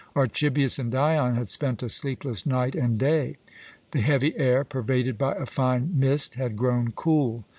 Archibius and Dion had spent a sleepless night and day. The heavy air, pervaded by a fine mist, had grown cool.